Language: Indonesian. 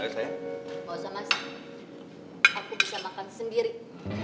gitu aja pak